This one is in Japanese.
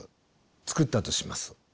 作ったとします。